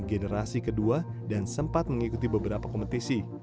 generasi kedua dan sempat mengikuti beberapa kompetisi